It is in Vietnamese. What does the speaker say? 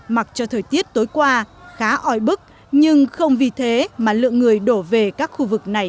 mặc cho thời tiết tối qua khá oi bức nhưng không vì thế mà lượng người đổ về các khu vực này